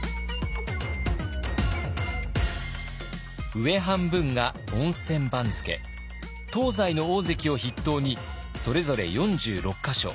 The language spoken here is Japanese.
上半分が温泉番付東西の大関を筆頭にそれぞれ４６か所。